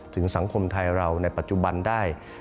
สังคมไทยเราในปัจจุบันได้